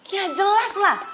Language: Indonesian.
ya jelas lah